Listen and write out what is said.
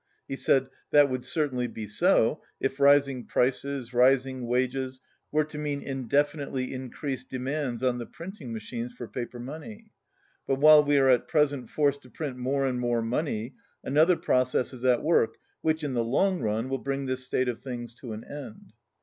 He said: "That would certainly be so, if ris ing prices, rising wages, were to mean indefinitely increased demands on the printing machines for paper money. But, while we are at present forced to print more and more money, another process is at work which, in the long run, will bring this state of things to an end.